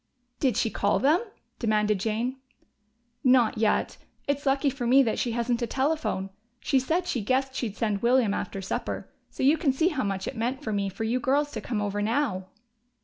"Did she call them?" demanded Jane. "Not yet. It's lucky for me that she hasn't a telephone. She said she guessed she'd send William after supper. So you can see how much it meant to me for you girls to come over now!"